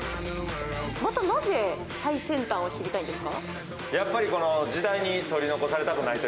またなぜ最先端を知りたいんですか？